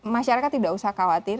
masyarakat tidak usah khawatir